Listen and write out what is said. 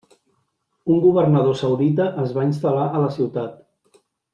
Un governador saudita es va instal·lar a la ciutat.